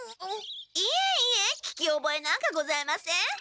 いえいえ聞きおぼえなんかございません。